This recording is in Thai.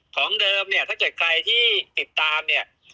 ของเดิมเนี่ยถ้าเกิดใครที่ติดตามเนี่ย